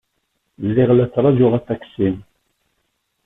Lliɣ la ttṛajuɣ aṭaksi.